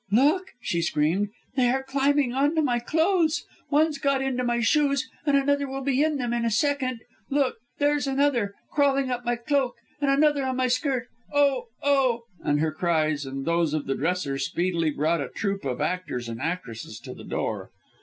"Look!" she screamed. "They are climbing on to my clothes. One's got into my shoes, and another will be in them, in a second. There's another crawling up my cloak and another on my skirt. Oh! Oh!" and her cries, and those of the dresser, speedily brought a troop of actors and actresses to the door.